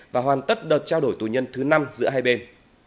và hoàn tất đợt trao đổi tù nhân thứ năm giữa hai bên